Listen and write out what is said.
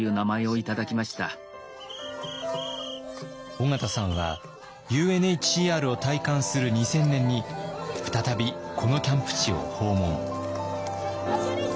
緒方さんはＵＮＨＣＲを退官する２０００年に再びこのキャンプ地を訪問。